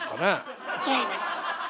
違います。